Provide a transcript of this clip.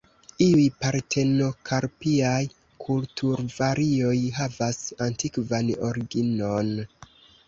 Iuj partenokarpiaj kulturvarioj havas antikvan originon.